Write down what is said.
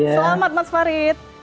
selamat mas farid